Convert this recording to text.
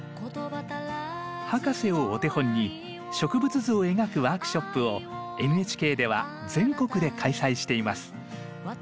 博士をお手本に植物図を描くワークショップをＮＨＫでは全国で開催しています。